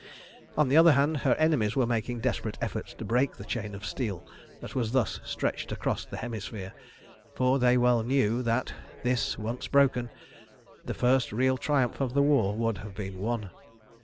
On the other hand, her enemies were making desperate efforts to break the chain of steel that was thus stretched across the hemisphere, for they well knew that, this once broken, the first real triumph of the war would have been won.